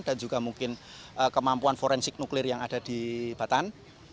dan juga mungkin kemampuan forensik nuklir yang ada di batan